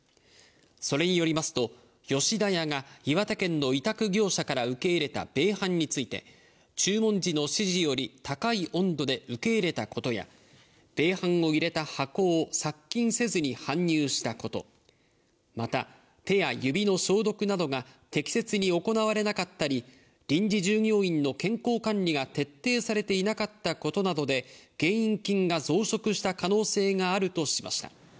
それによりますと、吉田屋が岩手県の委託業者から受け入れた米飯について、注文時の指示より高い温度で受け入れたことや、米飯を入れた箱を殺菌せずに搬入したこと、また、手や指の消毒などが適切に行われなかったり、臨時従業員の健康管理が徹底されていなかったことなどで原因菌が増殖した可能性があるとしました。